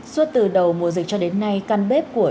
suốt từ đầu mùa dịch cho đến nay căn bếp của